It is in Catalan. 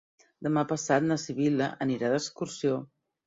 Demà passat na Sibil·la anirà d'excursió.